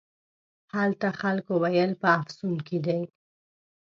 هلته خلکو ویل په افسون کې دی.